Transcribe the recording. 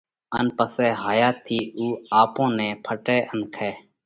ان پسئہ هايا ٿِي اُو آپون نئہ ڦٽئه ان کائه۔